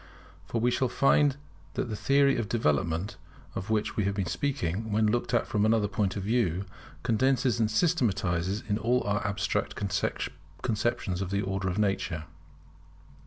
For we shall find that the theory of development of which we have been speaking, when looked at from another point of view, condenses and systematizes all our abstract conceptions of the order of nature.